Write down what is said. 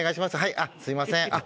すみません